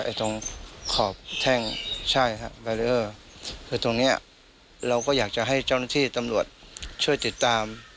ตรงขอบแท่งใช่ครับแบรีเออร์คือตรงเนี้ยเราก็อยากจะให้เจ้าหน้าที่ตำรวจช่วยติดตาม